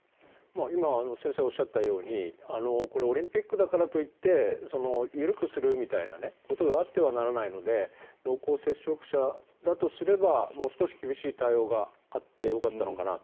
今、先生がおっしゃったようにこれはオリンピックだからといって緩くするみたいなことがあってはならないので濃厚接触者だとすればもう少し厳しい対応があってよかったのかなと。